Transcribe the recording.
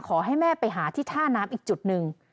ขอให้แม่ไปหาที่ท่าน้ำอีกจุดหนึ่ง